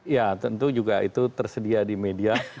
ya tentu juga itu tersedia di media